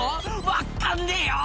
「分っかんねえよ！」